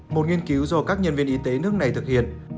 một nghiên cứu do các nhân viên y tế nước này thực hiện